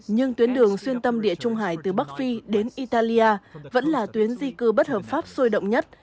nhưng tuyến đường xuyên tâm địa trung hải từ bắc phi đến italia vẫn là tuyến di cư bất hợp pháp sôi động nhất